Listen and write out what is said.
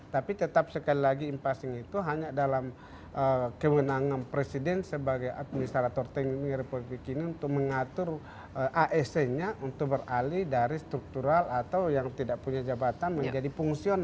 tapi tetap sekali lagi impasing itu hanya dalam kewenangan presiden sebagai administrator tni republik ini untuk mengatur aec nya untuk beralih dari struktural atau yang tidak punya jabatan menjadi fungsional